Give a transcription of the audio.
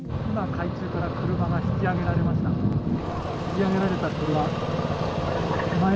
今、海中から車が引き揚げられました。